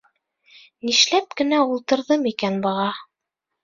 — Нишләп кенә ултырҙым икән быға!